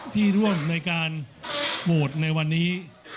ที่ร่วมในการโหวตในวันนี้